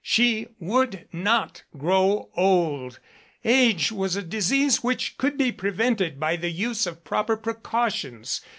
She would not grow old. Age was a disease which could be prevented by the use of proper precautions.